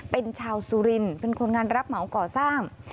เป็นชาวสุรินเป็นคนงานรับเหมาก่อสร้าง